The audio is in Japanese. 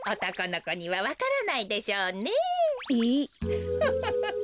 ウフフフフ。